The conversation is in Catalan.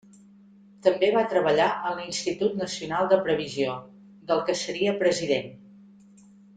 També va treballar en l'Institut Nacional de Previsió, del que seria president.